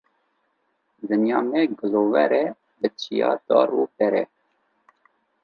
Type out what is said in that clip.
Dinya me girover e bi çiya, dar û ber e.